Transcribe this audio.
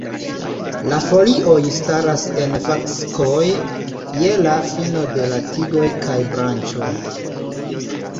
La folioj staras en faskoj je la fino de la tigoj kaj branĉoj.